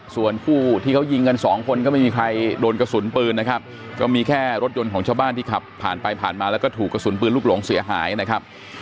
ส่วนผู้ที่เขายิงกันสองคนก็ไม่มีใครโดนกระสุนปืนนะครับก็มีแค่รถยนต์ของชาวบ้านที่ขับผ่านไปผ่านมาแล้วก็ถูกกระสุนปืนลูกหลงเสียหายนะครับ